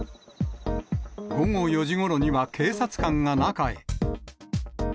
午後４時ごろには警察官が中へ。